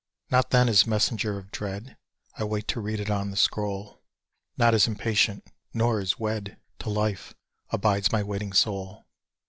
Not then as messenger of dread I wait to read it on the scroll; Not as impatient, nor as wed To life, abides my waiting soul!